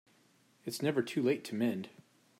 It's never too late to mend